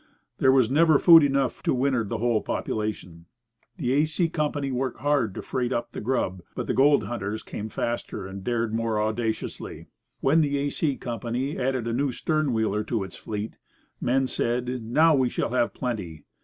There was never food enough to winter the whole population. The A. C. Company worked hard to freight up the grub, but the gold hunters came faster and dared more audaciously. When the A. C. Company added a new stern wheeler to its fleet, men said, "Now we shall have plenty."